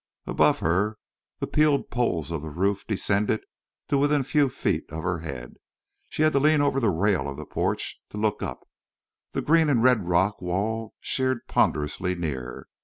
Above her the peeled poles of the roof descended to within a few feet of her head. She had to lean over the rail of the porch to look up. The green and red rock wall sheered ponderously near.